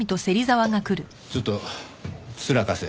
ちょっとツラ貸せ。